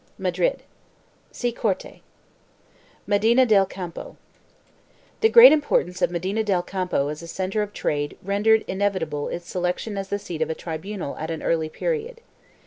1 MADRID. See CORTE. MEDINA DEL CAMPO. The great importance of Medina del Campo as a centre of trade rendered inevitable its selection as the seat of a tri bunal at an early period.